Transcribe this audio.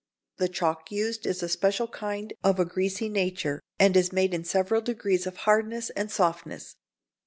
The chalk used is a special kind of a greasy nature, and is made in several degrees of hardness and softness.